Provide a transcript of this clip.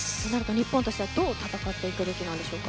日本としてはどう戦っていくべきですか？